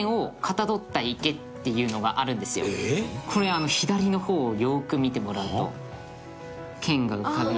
これ左の方をよく見てもらうと県が浮かび。